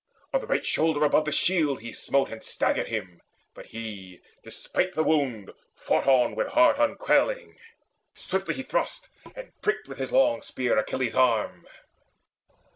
On the right shoulder above the shield he smote And staggered him; but he, despite the wound, Fought on with heart unquailing. Swiftly he thrust And pricked with his strong spear Achilles' arm.